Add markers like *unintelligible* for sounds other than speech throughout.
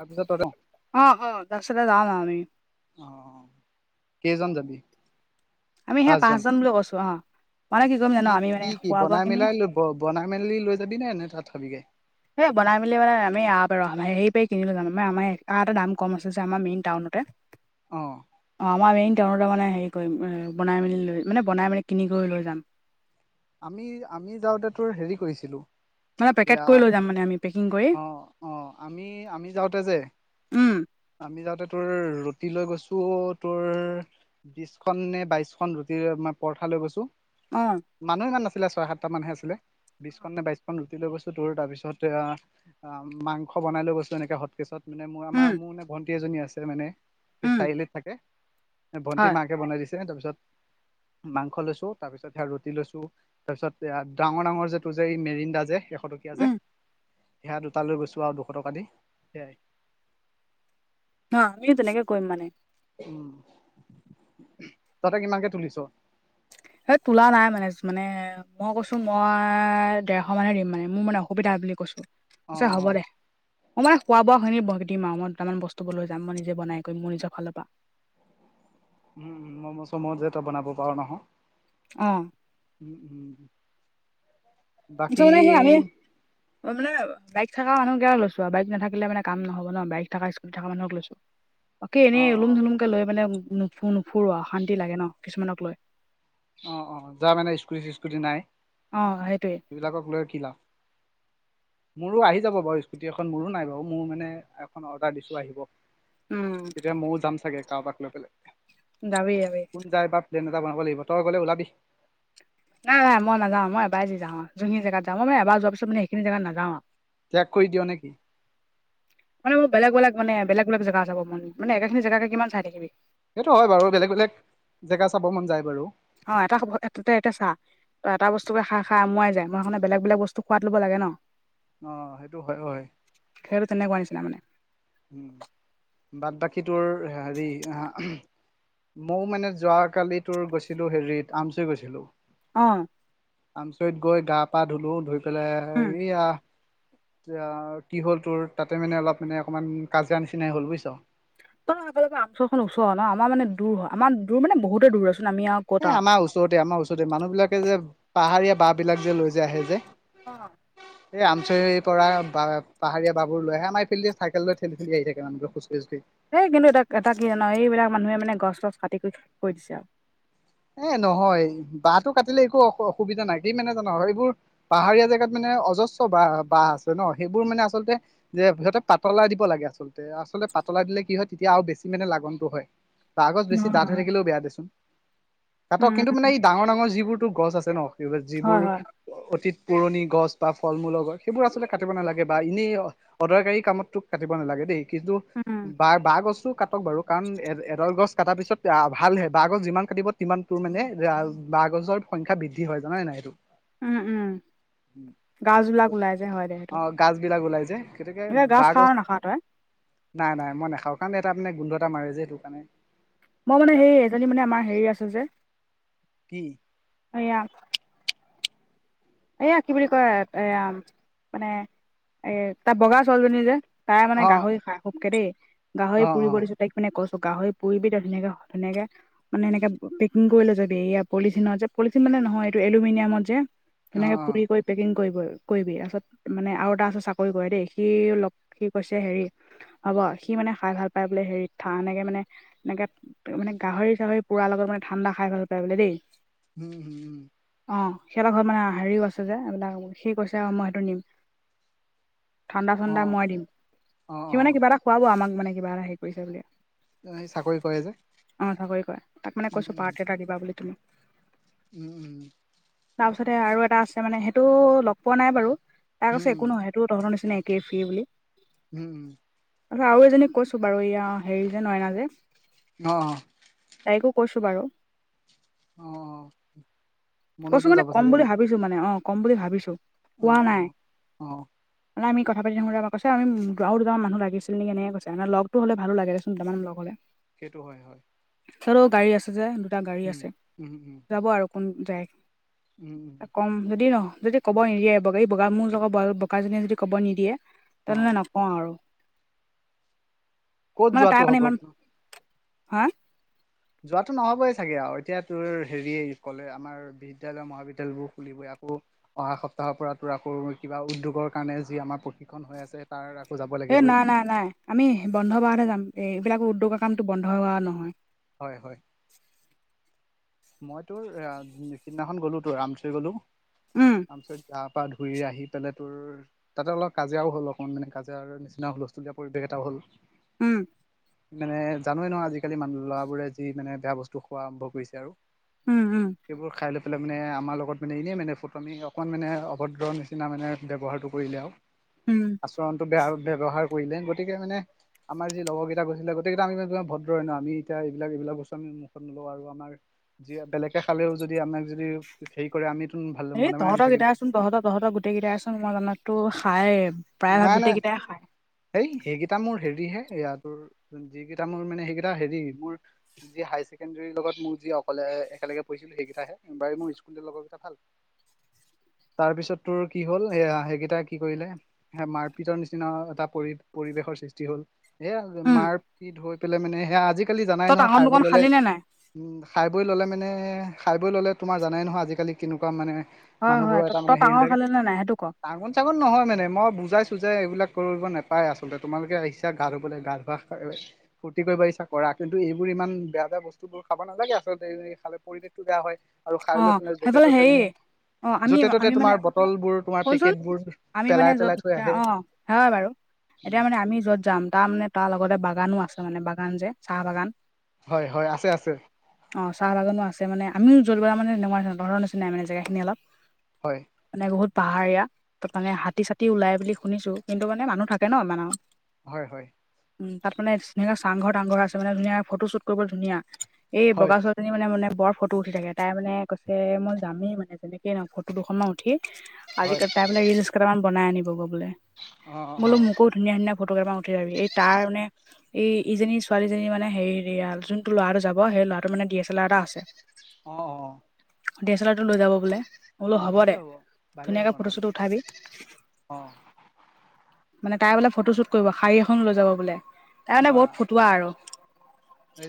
তাৰপিছত তদা অ, অ। তাৰপিছতে যাম আও আমি। অ, কেইজন যাবি? আমি সেয়া পাঁচজন বুলি কৈছোঁ। আহ মানে কি কৰিম জান', আমি মানে খোৱা-বোৱা খিনি ব বনাই মেলি লৈ যাবি নে, নে থাত খাবিগে? *unintelligible* বনাই মেলি মানে আমি *unintelligible* সেই কিনি লৈ যাম আমা আমাৰ এটা দাম কম আছে যে আমাৰ মেইন টাউনতে। অ আমা মেইন তেওঁৰ মানে হেৰি কৰি বনাই মেলি লৈ মানে বনাই মেলি কিনি কৰি লৈ যাম। আমি আমি যাওঁতে তোৰ হেৰি কৰিছিলো মানে পেকেট এয়া কৰি লৈ যাম মানে আমি পেকিং কৰি অ'। অ' আমি আমি যাওঁতে যে উম, আমি যাওঁতে তোৰ ৰুটি লৈ গৈছো তোৰ বিশ খন নে বাইশ খন ৰুটিৰ মই পৰঠা লৈ গৈছো। অ'। মানুহ ইমান নাছিলে ছয় সাতটা মানুহে আছিলে বিশখন নে বাইশখন ৰুটি লৈ গৈছো তোৰ তাৰপিছত এয়া অ' মাংস বনাই লৈ গৈছো এনেকে হটকেচত। মানে মোৰ উম, আমাৰ মোৰ মানে ভণ্টি এজনী আছে মানে সেই উম, চাৰিআলিত থাকে। ভণ্টি হয়, মাকে বনাই দিছে তাৰ পিছত মাংস লৈছো তাৰপিছত সেয়া ৰুটি লৈছ তো তাৰপিছত এয়া ডাঙৰ ডাঙৰ যে টোযে এই মেৰিণ্ডা যে এশ টকীয়া যে উম, সেয়া দুটা লৈ গৈছো আও দুশ টকা দি সেয়াই। ন আমিও তেনেকে কৰিম মানে। উম, তাতে কিমানকে তুলিছ? সেইত তোলা নাই মানেচ মানে মই কৈছো মই ডেৰশ মানে দিম মানে মো মানে অসুবিধা বুলি কৈছো। অ পিছে অ হ'ব দে। মই মানে খোৱা বোৱা খিনি বক দিম আও মই দুটামান বস্তুবোৰ লৈ যাম মই নিজে বনাই কৰিম মো নিজৰ ফালৰ পা। উম ম'ম' চ'ম' যে বনাব পাৰো নহয়। অ উম, উম। ওচ বাকী মানে সেই আমি অ মানে বাইক থকা মানুহ কিয় লৈছো আও বাইক নাথাকিলে মান কাম নহব ন বাই থকা স্কুটি থকা মানুহক লৈছো। অকে অ এনেই ওলোম ঢুলুমকে লৈ মানে নুফু নুফুৰো অশান্তি লাগে ন কিছুমানক লৈ। অ', অ' যাম মানে স্কুটি চিচকুটি নাই। অ' সেইটোৱে। এই বিলাকক লৈ লাভ মোৰো আহি যাব বাৰু স্কুটি এখন মোৰো নাই বাওঁ মোৰ মানে এখন অৰ্ডাৰ দিছো আহিব। উম তেতিয়া মইয়ো যাম চাগে কাৰোবাক লৈ পেলাই। যাবি যাবি। যাই বা প্লেন এটা বনাব লাগিব তই গ'লে ওলাবি। নাই ভাই মই নাযাওঁ মই এবাৰে যি যাওঁ আও যোনখিন জেগাত যাওঁ মই মানে এবাৰ যোৱাৰ পিছত মানে সেইখিন জেগাত নাযাওঁ। ত্যাগ কৰি দিয় নেকি? মানে মোৰ বেলেগ বেলে মানে বেলেগ অলপ জেগা যাব মন মানে একেখিনি জেগা কিমান চাই থাকিবি সেইটো হয় বাৰু বেলেগ বেলেগ জেগা চাব মন যায় বাৰু। অ' এটা হ'ব এতাতে এতিয়া চাহ। ত এটা বস্তুকে খাই খাই আমোৱাই যায় মই সেইকাৰণে বেলেগ বেলেগ বস্তু সোৱাদ লব লাগে ন। অ' সেইটো হয় হয়। খেৰ তেনেকুৱা নিচিনা মানে। উম, বাট বাকীটোৰ হেৰি আহ মৌ মানে যোৱাকালি তোৰ গৈছিলো হেৰিত আমচুই গৈছিলো। অ আমচৰিত গৈ গা পা ধুলো ধুই পেলাই উম এইয়া এতিয়া কি হ'ল তোৰ তাতে মানে অলপ মানে অকমান কাজিয়া নিচিনাই হল বুইছ। ত আপোনোকৰ আমচখন ওচৰৰ হয় ন আমাৰ মানে দূৰ হয় আমাৰ দূৰ মানে বহুতে দূৰ আচোন আমি আও এ আমাৰ ওচৰতে আমাৰ ওচৰতে মানুহ বিলাকে যে পাহাৰীয়া বাঁহ বিলাক যে লৈ যে আহে যে অ'। এই আমচৰিৰ পৰা বা পাহাৰীয়া বাহবোৰ লৈ আহে আমাৰ এইফালে দি চাইকেল লৈ থেলি থেলি আহি থাকে মানুহবোৰ খোচকেজদি এই কিন্তু এটা, এটা কি জান'? এইবিলাক মানুহে মানে গছ-চছ কাটি কৰি কৰি দিছে আৰু। এ নহয়। বাঁহটো কাটিলে একো অসু অসুবিধা নাই, কি মানে জান' এইবোৰ পাহাৰীয়া জেগাত মানে অজস্ৰ বাহ, বাহ আছে ন', সেইবোৰ মানে আচলতে যে সিহতে পাতলাই দিব লাগে আচলতে। আচলতে পাতলাই দিলে কি হয়, তেতিয়া আৰু বেছি মানে লাগনটো হয়। বাঁহগছ বেছি দাঠহৈ থাকিলেও বেয়া দেচোন। কাতক উম কিন্তু মানে এই ডাঙৰ ডাঙৰ যিবোৰতো গছ আছে ন', এইবাৰ যিবোৰ হয় হয় অতীত পুৰণি গছ বা ফল-মূলৰ গছ, সেইবোৰ আচলতে কাটিব নালাগে বা ইনেই অদৰকাৰী কামত তোক কাটিব নালাগে দেই, কিন্তু উম বা বাঁহ গছটো কাটক বাৰু। কাৰণ এডাল গছ কাটাৰ পিছত ভালহে। বাঁহ গছ যিমান কাটিব সিমান তোৰ মানে বাঁহগছৰ সংখ্যা বৃদ্ধি হয়, জাননে নাই এইটো? উম উম গাজবিলাক ওলাই যে হয় দে সেইটো অ, গাজবিলাক ওলাই যে। গতিকে এ গাজ বাঁহ খাৱ গছ। নে নাখাৱ তই নাই, নাই মই নাখাওঁ কাৰণ এটা মানে গোন্ধ এটা মাৰে যে সেইটো কাৰণে। মই মানে বেয়া পাওঁ সেই, এজনী মানে আমাৰ হেৰি আছে যে। কি? এয়া। এইয়া কি বুলি কয়? এয়া, মানে এ তাত বগা ছোৱালজনী যে। তাই মানে অ গাহৰি খাই খুবকে দেই, গাহৰি অ অ পুৰিব দিছোঁ তাইক। মানে কৈছোঁ, গাহৰি পুৰিবি ধুনীয়াকে, ধুনীয়াকে। মানে এনেকে পেকিং কৰি লৈ যাবি, এয়া পলিথিনৰ যে পলিথিন মানে নহয় এইটো এলুমিনিয়ামত যে অ অ তেনেকে পুৰি কৰি পেকিং কৰিবয়েৰ, কৰিবি। তাৰপিছত মানে আৰু এটা আছে চাকৰি কৰে দেই, সিও লগ সি কৈছে হেৰি হ'ব, সি মানে খাই ভাল পায় বোলে হেৰিত থা এনেকে মানে এনেকে মানে গাহৰি-চাহৰি পোৰাৰ লগত মানে ঠাণ্ডা খাই ভাল পায় বোলে দেই। উম, হুম। অ, সিহঁতৰ ঘৰত মানে হেৰিও আছে যে, এইবিলাক সি কৈছে আৰু মই সেইটো নিম। অ ঠাণ্ডা-চাণ্ডা মই দিম, অ অ সি মানে কিবা এটা খুৱাব আমাক মানে কিবা এটা হেৰি কৰিছে বুলি। এই চাকৰি কৰে যে অ, চাকৰি কৰে। তাক মানে উম, কৈছো পাৰ্টি উম, এটা দিবা বুলি তুমি। উম, হুম। তাৰপিছতে আৰু এটা আছে মানে সেটো লগ পোৱা নাই বাৰু। তাই কৈছে উম, একো নহয়, সেটোও তহঁতৰ নিচিনা একেই, ফ্ৰী বুলি। উম, উম। আৰু এজনীক কৈছো বাৰু, ইয়া হেৰি যে নয়না যে। অহ। তাইকো কৈছো বাৰু। অ', মনতো কৈছো মানে যাব কম চাগে বুলি এইবাৰ। ভাবিছো মানে, অহ', কম বুলি ভাবিছোঁ। অ', কোৱা নাই। অ', অ', মানে আমি কথা পাতি থাকোতে এবাৰ কৈছে, আৰু দুটামান মানুহ লাগিছিল নেকি? এনেকে কৈছে। লগটো হ'লে ভালো লাগে দেছোন দুটামান লগ হ'লে। সেইটো হয়, হয়। সিহঁতৰ গাড়ী আছে যে দুটা গাড়ী উম, আছে, উম, উম, যাব আৰু কোন যায়। উম', উম'। ক'ম যদি ন' যদি ক'ব নিদিয়ে বগী-বগা মোৰ লগৰ বগাজনীয়ে যদি ক'ব নিদিয়ে তেনেহ'লে অ', নকওঁ আৰু, ক'ত মানে যোৱাটো তাৰ হ'ব? মানে ইমান হা! যোৱাটো নহ'বই চাগে আৰু এতিয়া তোৰ হেৰি ক'লে আমাৰ বিদ্যালয় মহাবিদ্যালয়বোৰ খুলিবই আকৌ অহা সপ্তাহৰ পৰা তোৰ আকৌ কিবা উদ্যোগৰ কাৰণে যি আমাৰ প্ৰশিক্ষন হৈ আছে। তাৰ আকৌ যাব এ লাগিবই নাই-নাই-নাই আমি বন্ধ বাৰতহে যাম, এই এইবিলাক উদ্যোগৰ কামতটো বন্ধ হোৱা নহয়। হয়, হয়। মই তোৰ সিদিনাখন গ'লো তোৰ আমচৰি গ'লো, উম আমচৰিত গা-পা ধুই ঘূৰি আহি পেলাই তোৰ তাতে অলপ কাজিয়াও হ'ল। অকমান মানে কাজিয়াৰ নিচিনা হুলস্থলীয়া পৰিৱেশ এটা হ'ল। উম। মানে জানৱে নহয় আজিকালি মানে ল'ৰাবোৰে যি মানে বেয়া বস্তু খোৱা আৰম্ভ কৰিছে আৰু। উম', উম'। সেইবোৰ খাই লৈ পেলাই মানে, আমাৰ লগত মানে এনেই মানে ফুটুৱামি মানে অকণমান মানে অভদ্ৰ নিচিনা মানে ব্যৱহাৰটো কৰিলে আৰু। উম আচৰণটো বেয়া আৰু ব্যৱহাৰ কৰিলে গতিকে মানে। আমাৰ যি লগৰকেইটা গৈছিলে গোটেইকেইটা আমি ইমান ভদ্ৰই ন'। আমি এতিয়া এইবিলাক, এইবিলাক বস্তু আমি মুখত নলওঁ আৰু আমাৰ যিয়ে বেলেগে খালেও যদি আমাক যদি হেৰি কৰে, আমিতো ভাল মনে-মনে নাথাকিম। কোন তহঁতৰ-তহঁতৰ গোটেই কেইটাইচোন মই জানাততো খায়েই। নাই, নাই। এই সেইকেইটা মোৰ হেৰি হে, এইয়া তোৰ যিকেইটা মোৰ মানে সেইকেইটা হেৰি মোৰ যি হায়াৰ ছেকেণ্ডেৰীৰ লগত মোৰ যি অকলে একেলগে পঢ়িছিলোঁ সেইকেইটাহে, বাৰু মোৰ স্কুলীয়া লগৰ কেইটা ভাল। *unintelligible* তাৰপিছত তোৰ কি হ'ল, এয়া সেইকেইটা কি কৰিলে। সেয়া মাৰপিতৰ নিচিনা এটা পৰি-পৰিৱেশৰ সৃষ্টি হ'ল। এয়া উম মাৰপিত হৈ পেলাই মানে, সেয়া আজিকালি জানাই তই নহয় টাঙন দোকান খায়-বৈয় ল'লে। খালি নে নাই খায়-বৈয় ল'লে মানে, খায়-বৈয় ল'লে তোমাৰ জানাই নহয় আজিকালি কেনেকুৱা মানে হয় হয় মানুহবোৰৰ ত এটা তই মানে হেৰি টাঙন নাথাকে। খালি নে নাই সেইটো ক টাঙন-চাঙন নহয় মানে মই বুজাইছোঁ যে এইবিলাক কৰিব নাপায় আচলতে। তোমালোকে আহিছা গা ধুবলৈ গা ধোৱা। ফূৰ্তি কৰিব আহিছা কৰা, কিন্তু এইবোৰ ইমান বেয়া-বেয়া বস্তুবোৰ খাব নালাগে আচলতে। খালে পৰিৱেশটো বেয়া হয়। আৰু খায় অ লৈ পিনে য'তে সেইফালে ত'তে হেৰি মানে অ আমি য'তে ত'তে আমি মানে তোমাৰ বটলবোৰ তোমাৰ পেকেটবোৰ পেলাই-পেলাই থৈ আহে অহ হয় বাৰু। এতিয়া মানে আমি য'ত যাম তাৰমানে তাৰ লগতে বাগানো আছে, মানে বাগান যে চাহ বাগান। হয়-হয় আছে-আছে। অহ, চাহ বাগানো আছে মানে আমিও জলবা মানে নোমাই ধৰ তহঁতৰ নিচিনাই মানে জেগাখিনি অলপ। হয়। মানে বহুত পাহাৰীয়া, তাত মানে হাতী-চাতি ওলাই বুলি শুনিছোঁ কিন্তু মানে মানুহ থাকে ন' মান। হয়, হয়। উম, তাত মানে ধুনীয়াকে চাংঘৰ-তাংঘৰ আছে মানে, ধুনীয়া ফটোশ্বুট কৰিব ধুনীয়া, এই হয় বগা ছোৱালী জনী মানে মানে বৰ ফটো উঠি থাকে। তাই মানে কৈছে মই যামেই মানে যেনেকে নহওক ফটো দুখন মান উঠি, হয় আজিকালি তাই মানে ৰিলচ কেইটামান বনাই আনিবগৈ বোলে, অ অ বোলো মোকো ধুনীয়া ধুনীয়া ফটোকেইটামান উঠাই যাবি এই তাৰ মানে এই ইজনী ছোৱালীজনী মানে হেৰি এয়া যোনটো ল'ৰালৈ যাব সেই ল'ৰাটোৰ মানে ডি এছ এল আৰ এটা আছে। অ', অ'। ডি এছ এল আৰটো লৈ যাব বোলে। ম বোলো অ অ হ'বদে ভালেই হ'ব ভালেই ধুনীয়াকে হ'ব ফটো নহ'লে চটো উঠাবি। অ মানে তাই বোলে ফটো শ্বুট কৰিব শাৰী এখন লৈ যাব বোলে, তাই মানে বা বহুত ফটোৱা আৰু।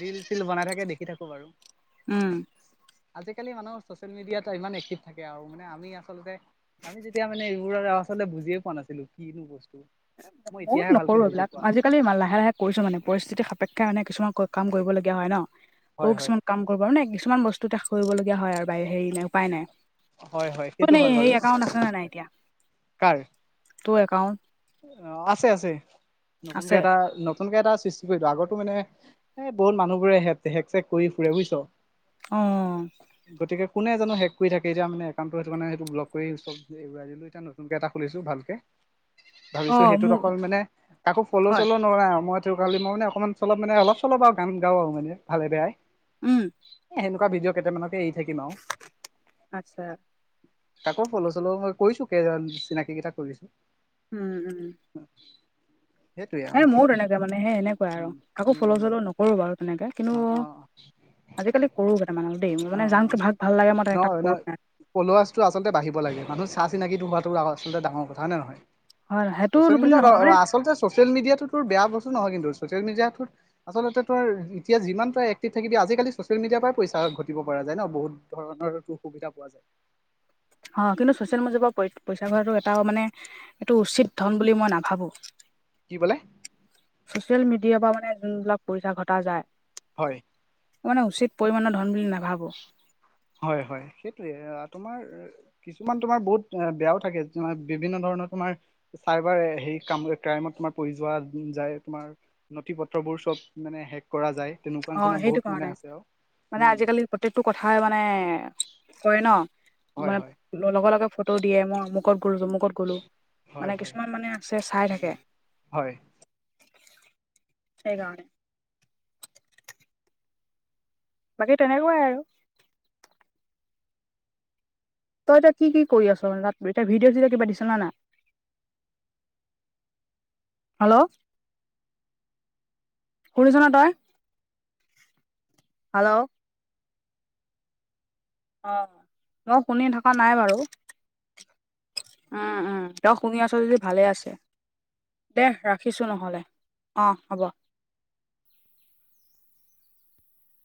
ৰিল চিল বনাই থাকে দেখি থাকো বাৰু। উম। আজিকালি মানুহৰ চচিয়েল মিডিয়াত ইমান এক্টিভ থাকে আৰু মানে আমি আচলতে আমি তেতিয়া মানে এইবোৰ আচলতে বুজিয়ে পোৱা নাছিলো কিনো বস্তু। ময়ো মই এতিয়াহে *unintelligible* ভালকে নকৰো বুজি এইবিলাক পোৱা আজি কালি লাহে লাহে কৰিছো মানে পৰিস্থিতি সাপেক্ষে মানে কিছুমান কাম কৰিবলগীয়া হয় ন', সৰু হয় হয় কিছুমান কাম কৰিব হয়নে, কিছুমান বস্তু কৰিবলগীয়া হয় আৰু ব হেৰি নাই উপায় নাই। হয় হয় তোৰ সেইটো হয় *unintelligible* বাৰু সেই একাউন্ট আছে নে নাই এতিয়া তোৰ একাউন্ট অ', আছে আছে, নতুনকে আছে এটা নতু নকে এটা সৃষ্টি কৰিলো আগত মানে বহুত মানুহবোৰে হেক চেক কৰি ফুৰে বুজিছ। অ'। গতিকে কোনে জানো হেক কৰি থাকে এ এতিয়া মানে একাউণ্টো সেইটোকাৰনে সেইটো ব্লক কৰি চব উৰাই দিলো এয়া নতুনকে এটা খুলিছো ভালকে। অ ভাবিছো সেইটোত মোক অকল মানে কাকো ফল' হয়, চল' নোৱাৰ মইতো কালি মই মানে অকমান চলপ মানে অলপ চলপ আৰু গান গাওঁ আৰু মানে ভালে বেয়াই। উম। এ সেনেকুৱা ভিডিঅ' কেইটামানকে এৰি থাকিম আৰু। আচ্ছা কাকো ফ'ল চ'ল হয় কৰিছো কেইজন চিনাকি কেইটা কৰিছো। উম, উম। ত *unintelligible* আৰে ময়ো তেনেকে মানে সেই এনেকুৱাই আৰু আৰু উম কাকো উম ফ'ল উম চ'ল নকৰো বাৰু তেনেকে। কিন্তু অ' অ'। আজিকালি ক'ৰো কেইতামানক দেই মানে জানকো যাক ভাল লাগে মই তাক কৰো মানে। ফ'লৱাৰ্ছটো আচলতে বাঢ়িব লাগে, মানুহ চা চিনাকিটো হোৱাটো আচলতে ডাঙৰ কথা, হয় নে নহয়? হয়, সেইটো ছচিয়েল বুলি মডিয়াত নহয় মানে আচলতে ছচিয়েল মিডিয়ো বেয়া বস্তু নহয়, কিন্তু ছচিয়েল মিডিয়াটোট আচলতে তই এতিয়া যিমান তই এক্টিভ থাকিবি আজিকালি ছচিয়েল মিডিয়াৰ পৰা পইচা ঘত দিব পৰা যায় ন', বহুত ধৰণৰ সুবিধা পোৱা যায়। অ', কিন্তু ছচিয়েল মিডিয়াৰ পৰা পইচা ঘটাটো এটা মানে এইটো উচিত ধন বুলি মই নাভাবো। কি বোলে ছচিয়েল মিডিয়াৰ পৰা মানে যোনবিলাক পইচা ঘটা যায়। হয়। মানে উচিত পৰিমণৰ ধন বুলি নাভাবো। হয় হয় সেইটোৱে, আ তোমাৰ কিছুমান তোমাৰ বহুত অ', বেয়াও থাকে তোমাৰ বিভিন্ন ধৰণৰ তোমাৰ চাইবাৰ হেৰি কাম ক্ৰাইমত তোমাৰ পৰি যোৱা যায় তোমাৰ, নথি পত্ৰবোৰ চব মানে হেক কৰা যায় তেনেকুৱা অ', নিচিনা সেইটো বহুত মানে কাৰণে আছে আৰু, মানে উম আজিকালি প্ৰত্যেকটো কথাই মানে কয় ন', হয় মানে হয় লগে লগে ফটো দিয়ে মই অমুকত গ'লো তমুকত গ'লো, মানে হয় হয় কিছুমান মানে চে চাই থাকে, হয় সেইকাৰণে। বাকী তেনেকুৱাই আৰু। তই এতিয়া কি কি কৰি আছ মানে তাত এতিয়া ভিডিঅ' চিডিঅ' কিবা দিছ নে নাই? হেল্ল'। শুনিছনে তই? হেল্ল'। অ' মই শুনি থকা নাই বাৰু। উম, উম, তই শুনি আছ যদি ভালে আছে। দে ৰাখিছোঁ নহ'লে, অ' হ'ব।